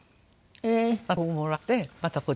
えっ？